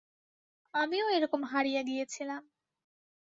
আমিও এরকম হারিয়ে গিয়েছিলাম।